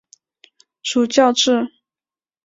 主教制。